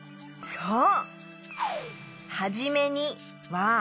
そう！